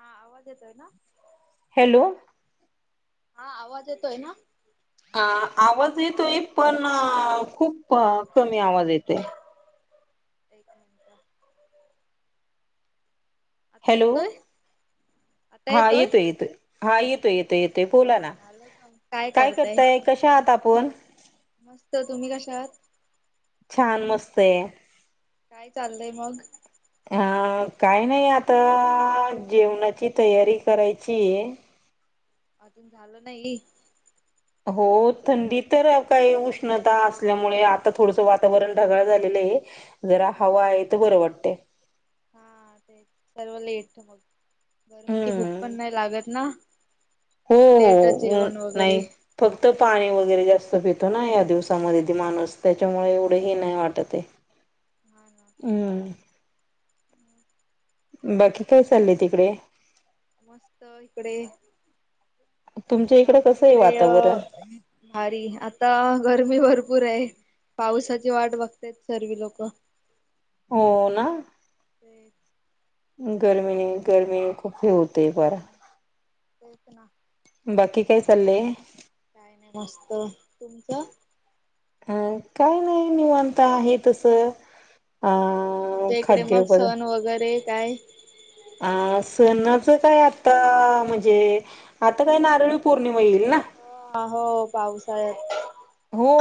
हा आवाज येतोय ना. हॅलो. हा आवाज येतोय ना? आं आवाज येतोय पण खूप कमी आवाज येतोय. एक मिनिट ता हॅलो येतोय हा येतोय येतोय हा येतोय येतोय येतोय हा येतोय बोला ना. काय करताय कशे आहात आपण? मस्त तुम्ही कशा आहात? छान मस्त आहे. काय चाललंय मग? हा काय नाही आता जेवणाची तयारी करायची आहे. अजून झालं नाही? हो थंडी तर काही उष्णता असल्यामुळे आता थोडसं वातावरण ढगाळ झालेलं आहे. जरा हवा हा. आहे तर बरं वाटतय. हा तेच सर्व लट मग गरमीची भूक पण हम्म नाही लागत ना हो लेटच ऊन जेवण वगैरे नाही फक्त पाणी वगैरे जास्त पितो ना या दिवसामध्ये त माणूस त्याच्यामुळे एवढ हे नाही वाटत आहे [unintelligible] ना तेच. हम्म बाकी काय आता चाललंय तिकडे? मस्त इकडे तुमच्या मस्त इकडं आमच्या कसं आहे इकडे अ वातावरण? भारी आता गरमी भरपूर आहे पावसाची वाट बघतेत सर्वी लोक होना [unintelligible] गर्मीने मग गर्मी खूप होतय फार [unintelligible] बाकी काय चाल्लय मस्त तुमचं अ काय नाही निवांत आहे तसं अ तुमच्या इकडे खाद्य मग पदार्थ सण वगैरे काय अ सणाच काय आता म्हणजे आता काय नारळी पौर्णिमा येईल ना ह हो पाऊसाळ्यात हो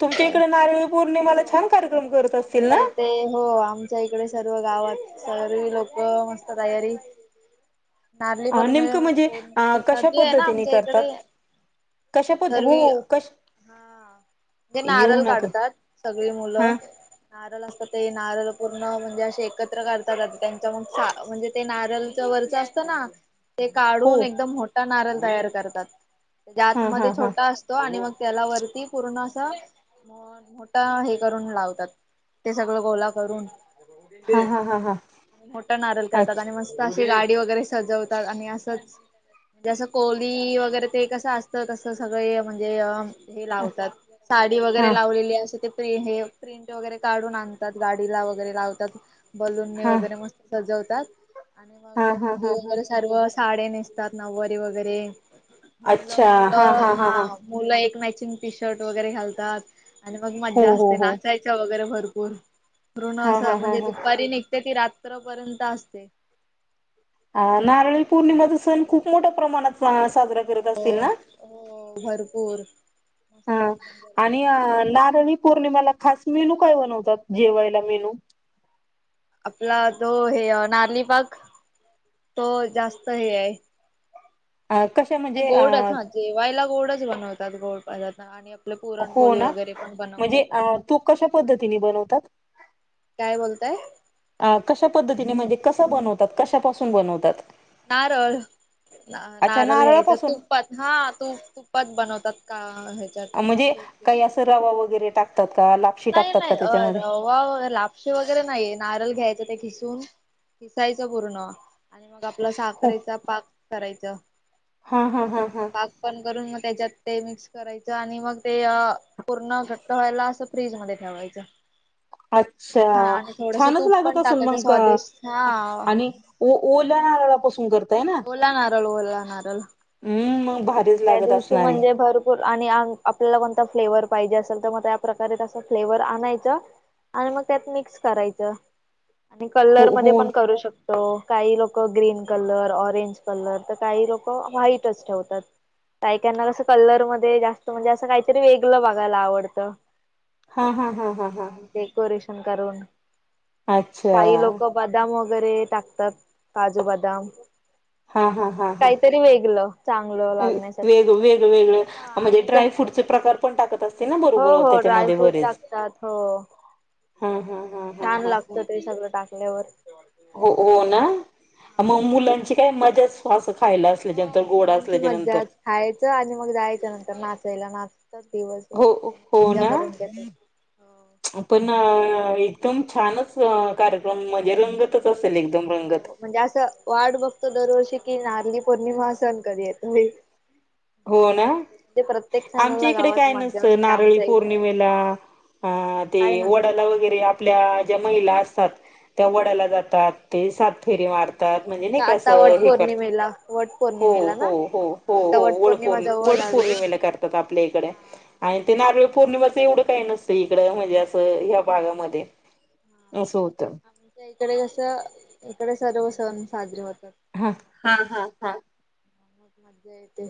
तुमच्या इकडे नारळी पौर्णिमाला छान कार्यक्रम करत असतील ना ते हो आम आमच्या इकडे सर्व गावात सर् लोक मस्त तयारी नारळी पौर्णिमेला नेमकं म्हणजे अ कशा नदी आहे ना पद्धतीने आमच्या करतात इकडे कशा पद कश ते येऊ नारळ नका काढतात सगळी हा मुलं नारळ असतात ते नारळ पूर्ण म्हणजे असे एकत्र करता जातात त्यांच्या मग सा म्हणजे ते नारळ वरच अस चना हो काढून एकदम मोठा नारळ तयार करतात जे हा आतमध्ये हा हा छोटा अस तो आणि मग त्याला वरती पूर्ण अस मोठा हे करून लावतात ते सगळं गोला करून हा हा हा हा मोठा नारळ करतात अच्छा आणि मस्त स्त अशी गाडी वगैरे सजवतात आणि असंच जे जसं कोली वगैरे ते कसं असतं तसं सगळे म्हणजे हे लावतात गाडी वगैरे हा लावलेली अस ते हे प्रिंट वगैरे काढून आणतात गाडीला वगैरे लावतात बलूननी हा वगैरे मस्त सजवतात आणि मग हा हा मुली हा हा वगैरे सर्व असं साड्या नेसतात नववारी वगैरे मुलं, मुलं हा मुलं एक मॅचिंग टी शर्ट वगैरे घालतात आणि मग हो मज्जा हो असते हो नाचायची वगैरे भरपूर ऋण हा हा असं हा म्हणजे दुपारी निघते ती रात्रपर्यंत असते आ नारळी पौर्णिमाचा सण खूप मोठ्या प्रमाणात आ साजरा करत असतील हो ना हो भरपूर मस्त हा एकदम आणि जरदोशात. नारणी पौर्णिमाेला खास मेनू काय बनवतात जेवायला मेनू आपला जो हे नारली पाक तो जास्त हे आहे अ कशा म नाही गोडच हा जेवायला गोडच बनवतात गोड पदार्थ आणि आप हो ना म्हणजे तू कशा पद्धतीने बनवतात काय बोलताय अ कशा पद्धतीने म्हणजे कसा बनवतात कशापासून बनवतात नारळ. अच्छा नारळ घ्यायचा नारळापासून तूप प हा. तूप तुपात बनवतात का ह्याच्यात म्हणजे तूप काही घेऊन. असं रवा वगैरे टाकतात का लापशी टाकतात का त्याच्यामध्ये? [unintelligible] लापशी वगैरे नाहीये नारळ घ्यायचा ते खिसून खिसायचं पूर्ण आणि मग आपला हो साखरेचा पाक करायच. हा हा हा हा. पाक पण करून मग त्याच्यात ते मिक्स करायचं आणि मग ते अ पूर्ण घट्ट व्हायला असं फ्रीज मध्ये ठेवायचं. हा अच्छा आणि थोडस छानच तूप लागत पण असल? टाकायचं मग स्वादिष्ट हा आणि. ओ-ओला नारळापासून करत ओला नारळ ओला नारळ. हम्म. मग भा त्या दिवशी म्हणजे भर पूर आणि आ-आपल्याला कोणता फ्लेवर पाहिजे असेल तर मग त्या प्रकारे तसं फ्लेवर आणायच. आणि मग त्यात मिक्स करायच आणि हो कलर मध्ये हो पण करू शकतो. तो. काही लोक ग्रीन कलर, ऑरेंज कलर तर काही लोक व्हाईटच ठेवतात. काही काहींना कसं कलर मध्ये जास्त म्हणजे असं काहीतरी वेगळ बघायला आवडतं. हा हा हा हा हा हा. डेकोरेशन करून. अच्छा काही लोक बदाम वगैरे टाकतात काजू बदाम. हा काहीतरी वेगळ चांगलं. लागण्यासाठी वेग-वेगळ वेगळं हा म्हणजे आणि कस ड्रायफ्रूटचे प्रकार पण टाकत असतील ना हो बरोबर हो त्याच्यामध्ये ड्रायफ्रूट बरेच? टाकतात हो हा हा हा हा छान हा लागत ते सगळं टाकल्यावर. हो हो ना. मग हा मुलांची काय मजाच. आसं खायला असल्याचनंतर हो गोड मुलांची असल्याच्यानंतर. मज्जाच खायचं आणि मग जायचं नंतर नाचायला नाचत दिवसभर हो हो मज्जा ना करून घेत. पण एकदम छानच कार्यक्रम म्हणजे रंगतच असेल एकदम रंगत. हो म्हणजे असं वाट बघतो दरवर्षी की नारली पौर्णिमा सण कधी येतोय. हो ना. प्रत्येक आमच्या सणाला इकडे गावात काय मज्जा नसतं असते नारळी आमच्या इकडे पौर्णिमेला अ ते काय नसतं वडाला का. वगैरे आप आपल्या ज्या महिला असतात त्या वडाला जातात ते सात फेरी मार तात म्हणजे नाही अच्छा का आस आता वट हे करतात. पौर्णिमेला वट हो पौर्णिमेला ना हो हो हा हो आता हो वट वळ पौर्णिमा पोर्णिमा जवळ वड लागली. पौर्णिमेला करतात आपल्या इकडे आणि ते नारळी पौर्णिमाच एवढं काही नसते इकडे म्हणजे असं या भागामध्ये असं होत. आ इकडे कस इकडे सर्व सण साजरे होतात. ह हा हा हा. म मज्जा येते.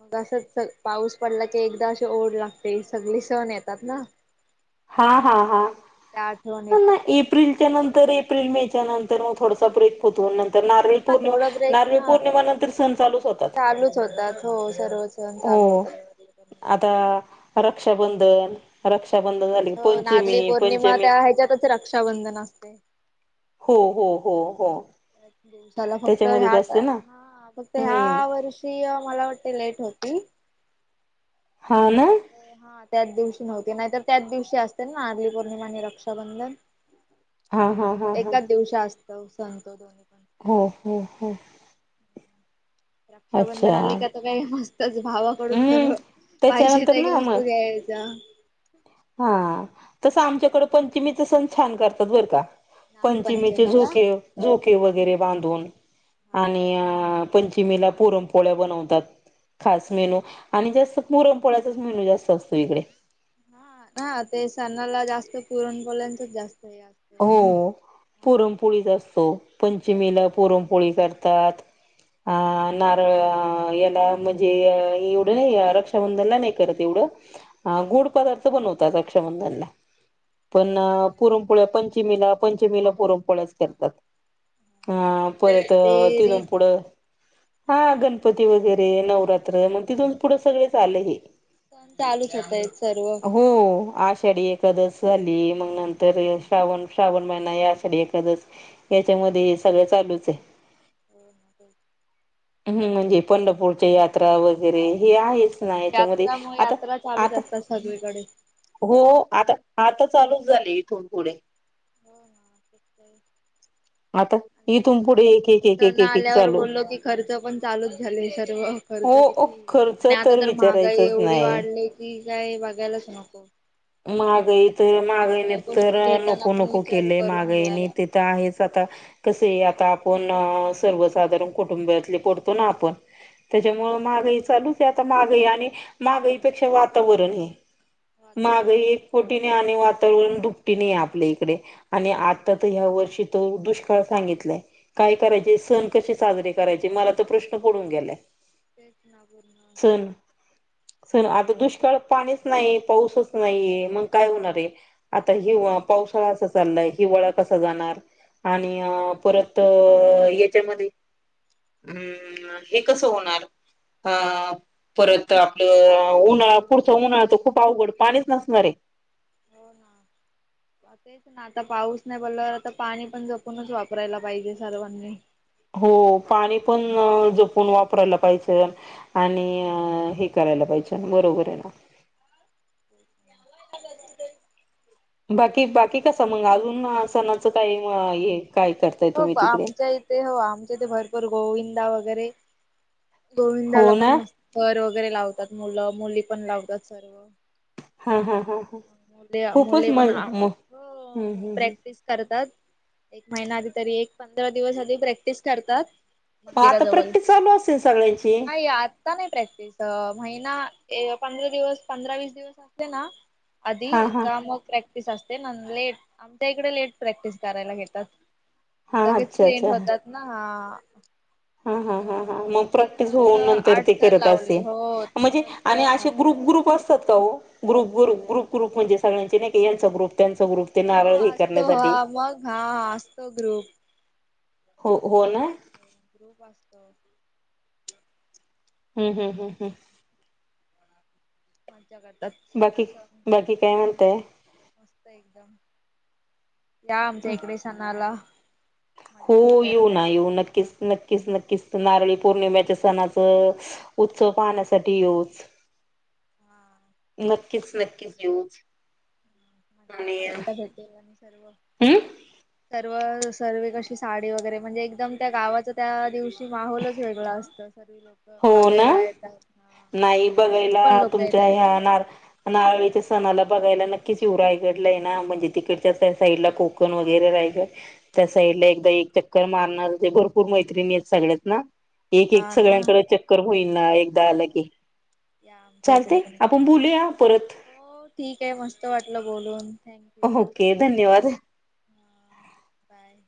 मग असं पाऊस पडला की एकदा अशी ओढ लागते सगळी सण येतात ना. [inaudible] हा हा हा. त्या आठवनीत नाही एप्रिलच्या नंतर एप्रिल मे च्या नंतर मग थोडासा ब्रेक होतो नंतर नारळी हा पौर्णिमा. थोडा ब्रेक नारळी हा पौर्णिमा नंतर सण चालूच होतात. चालूच होतात हो सर्व सण चालू हो. होतात. आता रक्षाबंधन रक्षाबंधन झाले हो पंचमी नारली पौर्णिमा पंचमी त्या ह्याच्यातच रक्षाबंधन असते. हो हो हो हो. त्याला फक्त त्याच्यामध्येच ह्या असते ना फक्त हम्म ह्या वर्षी ती मला वाटती लेट होती. हा ना. हा त्याच दिवशी नव्हती नाहीतर त्याच दिवशी असतील ना नारली पौर्णिमा आणि रक्षाबंधन. हा हा हा हा एकाच दिवशी असतो सण दोन्ही पण. हो हो हो. रक्षाबंधन अच्छा आली कि आता काय नसतं. तसं भावाकडून हम्म सर्व पाहिजे त्याच्यानंतर त्या ना मग वस्तू घ्यायच्या. हा तसं आमच्याकडे पंचमीचा सण छान करतात बरं का. पंचमीचे नागपंचमी का हा झोके झोके वगैरे बांधून. आणि काय पंचमीला पुरणपोळ्या बनवतात. खास मेनू आणि जास्त पुरणपोळ्याचाच मेनू जास्त असतो इकडे. हा हा ते सणाला जास्त पुरणपोलांचच जास्त हे असतं. हो पुरणपोळीच असतो पंचमीला पुरणपोळी करतात. अ नारळ याला म्हणजे एवढं नाही रक्षाबंधनला नाही करत एवढं. अ गोड पदार्थ बनवतात रक्षाबंधनला पण पुरणपोळी पोळ्या पंचमीला पंचमीला पुरणपोळ्याच करतात अ परत ते तिथून रीत पुढं. हा गणपती वगैरे नवरात्र मग तिथून पुढं सगळेच आले हे. सण चालूच होताय सर्व हो आषाढी एकादशी झाली मग नंतर श्रावण श्रावण महिना या आषाढी एकादश याच्यामध्ये हे सगळं चालूच आहे हो हम्म म्हणजे पंढरपूरच्या यात्रा वगैरे हे आहे. नाही तर मध्ये यात्रा मग आता यात्रा चालूच आता असतात सगळीकडे हो आता आता चालूच झाले इथून पुढे हो ना ठीक आहे आता आणि इथून पुढे एक एक एक एक सण एक एक आल्यावर चालू बोललो की खर्च पण चालूच झाले सर्व खर्च हो किती खर्च आणि आता तर महागाई विचारायचंच एवढी नाही. वाढली की काय बघायलाच नको. महागाई तर महागाईने सगळ्या तर गोष्टी घेताना नको पण नको विचार केले करून माहागाईनी घ्यायला ते ते तर आहेच आता कसे आता आपण सर्वसाधारण कुटुंबातले पडतो ना आपण. त्याच्यामुळे हा महागाई चालूच आहे आता माहागाई आणि महागाईपेक्षा वातावरण हे माहागाईही वातावरण एक पटीने आणि वातावरण दुपटीने आहे आपल्या इकडे आणि हो ना आता तर ह्या वर्षी तो दुष्काळ सांगितलाय काय हो करायचे सण कसे साजरे करायची मला तो प्रश्न पडून गेलाय. तेच ना बर ना [unintelligible] सण सण आता दुष्काळ पाणीच नाही पाऊसच नाहीये मग काय होणार आहे. आता हि पावसाळा असा चाललाय हिवाळा कसा जाणार? आणि परत याच्यामध्ये हम्म हे कसं होणार? हा परत आपलं उन्हाळा पुढचा उन्हाळा तो खूप अवघड पाणीच नसणार आहे. हो ना. तेच ना. आता पाऊस नाही पडलं तर पाणी पण जपूनच वापरायला पाहिजे सर्वांनी. हो. पाणी पण जपून वापरायला पाहिजे. आणि हे करायला पाहिजे. बरोबर आहे. [unintelligible] बाकी बाकी कसा मग अजून सणाचं काही काय करत हो आमच्या इथे हो आमच्या इथे भरपूर गोविंदा वगैरे गोविंदाला हो पण ना. मस्त पर वगैरे लावतात मुलं मुली पण लावतात सर्व हां हां हां हां. मुले मुले खूपच पण मजा म हम हो हम. प्रॅक्टिस करतात. एक महिना आधी तरी एक पंधरा दिवस आधी प्रॅक्टिस करतात. मग आता मंदिराजवळ. प्रॅक्टिस चालू असेल सगळ्यांची नाही आत आता नाही प्रॅक्टिस. महिना ए पंधरा दिवस पंधरा वीस दिवस असते ना आधी हा हा का मग प्रॅक्टिस असते ना लेट आमच्या इकडे लेट प्रॅक्टिस करायला घेतात. हा लगेच अच्छा [unintelligible] अच्छा होतात ना. हा. हा हा ह दोन हां. मग तीन प्रत्येक वर्ष होऊन नंतर आठ ते तर करत असते. लावले हो तीन म्हणजे वर्ष आणि असे आठ ग्रुप ग्रुप अस असता ओ. ग्रुप ग्रुप ग्रुप ग्रुप म्हणजे सळ्यांचे नाही का यांचा ग्रुप त्यांच ग्रुप. ते हो नारळ हे असतो करण्यासाठी. हा मग हा. असतो ग्रुप. हो हो असतो ना. हम्म हम. ग्रुप असतो. हम् हम् हम् हम. मज्जा करतात. बाकी सर्विस बाकी काय सगळ म्हणताय मस्त एकदम. या आमच्या इकडे सणाला. हो मज्जा बघायला येऊ ना भेटेल येऊ तुम्हाला नक्कीच नक्कीच नक्कीच. तर नारळी पौर्णिमेच्या सणाचा उत्सव पाहण्यासाठी येऊच. हा नक्कीच नक्कीच येऊच. माझ्या आणि बाब्याला हम् भेटेल आणि सर्व. सर्व सर्वे कशी साडी वगैरे म्हणजे एकदम त्या गावाच त्या दिवशी माहोलच वेगळा असतो. [unintelligible] हो ना. नाही बाहेरून पण बघायला लोक तुमच्या येतात या बघायला नार नारळीच्या सणाला बघायला नक्कीच येऊ रायगडला आहे ना म्हणजे तिकडच्या साईडला कोक कोकण वगैरे राहिलं. त्या साईड ला एकदा एक चक्कर मारणारच आहे. भरपूर मैत्रिणी आहेत सगळ्यात ना एक एक हा हा ना सगळ्यांकडे चक्कर होईल ना एकदा आले की. या आमच्या इकडे चालते आपण पण बोलूया परत. हो ठीक आहे. मस्त वाटलं बोलून. थँकू! ओके धन्यवाद! हा. बाय.